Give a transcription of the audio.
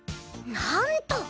なんと！